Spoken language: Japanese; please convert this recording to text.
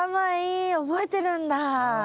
覚えてるんだ。